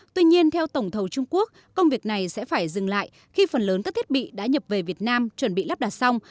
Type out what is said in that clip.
tuy nhiên theo tổng thầu trung quốc công việc này sẽ phải dừng lại khi phần lớn các thiết bị đã nhập về việt nam chuẩn bị lắp đặt xong